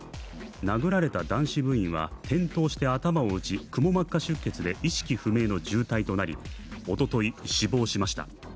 殴られた男子部員は転倒して頭を打ちくも膜下出血で、意識不明の重体となりおととい、死亡しました。